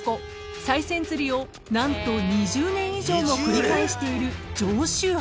さい銭釣りを何と２０年以上も繰り返している常習犯］